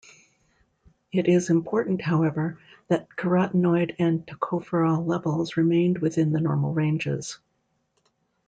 It is important, however, that carotenoid and tocopherol levels remained within the normal ranges.